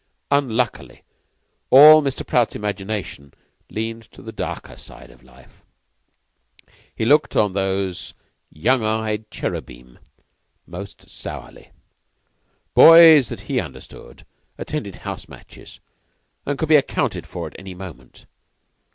Unluckily, all Mr. Prout's imagination leaned to the darker side of life, and he looked on those young eyed cherubims most sourly. Boys that he understood attended house matches and could be accounted for at any moment.